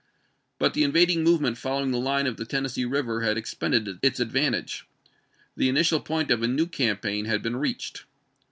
But the in vading movement following the line of the Ten nessee River had expended its advantage; the initial point of a new campaign had been reached.